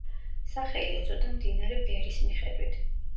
სახელი ეწოდა მდინარე ვერის მიხედვით.